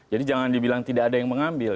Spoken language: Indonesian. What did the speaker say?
jadi jangan dibilang tidak ada yang mengambil